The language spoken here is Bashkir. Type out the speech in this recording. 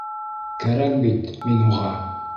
Кәрәк бит мин уға...